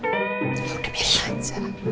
lu udah bilang aja